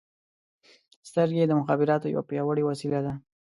• سترګې د مخابراتو یوه پیاوړې وسیله ده.